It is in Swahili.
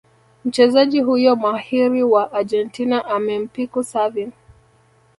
Mchezaji huyo mahiri wa Argentina amempiku Xavi